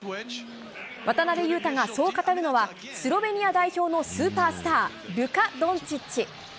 渡邊雄太がそう語るのは、スロベニア代表のスーパースター、ルカ・ドンチッチ。